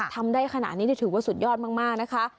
ทำได้ขนาดนี้ถือว่าสุดยอดมากนะคะ